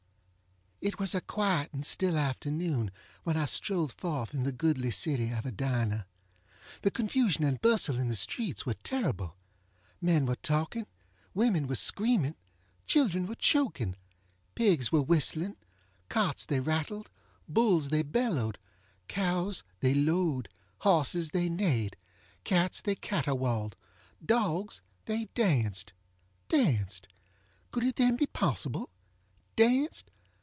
It was a quiet and still afternoon when I strolled forth in the goodly city of Edina. The confusion and bustle in the streets were terrible. Men were talking. Women were screaming. Children were choking. Pigs were whistling. Carts they rattled. Bulls they bellowed. Cows they lowed. Horses they neighed. Cats they caterwauled. Dogs they danced. Danced! Could it then be possible? Danced!